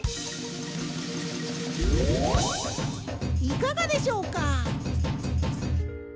いかがでしょうか？